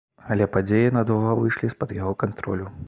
Але падзеі надоўга выйшлі з-пад яго кантролю.